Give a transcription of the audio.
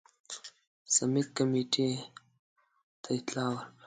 سمیت کمېټې ته اطلاع ورکړه.